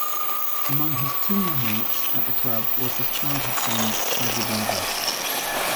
Among his team mates at the club was his childhood friend Sagibarba.